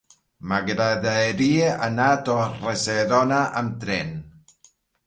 M'agradaria anar a Torre-serona amb tren.